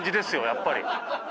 やっぱり。